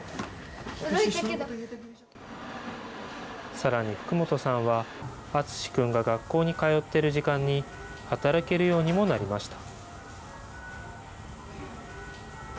さらに、福元さんはあつし君が学校に通っている時間に、働けるようにもなりました。